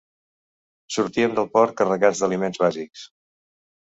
Sortíem del port carregats d'aliments bàsics.